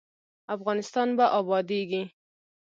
افغانستان به ابادیږي